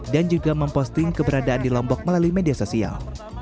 dan juga memposting keberadaan di lombok melalui media sosial